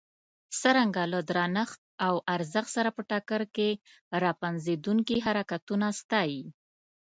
څرنګه له درنښت او ارزښت سره په ټکر کې را پنځېدونکي حرکتونه ستایي.